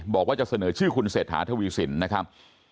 บอกว่าจะเสนอชื่อคุณเศรษฐาทวีสินนะครับ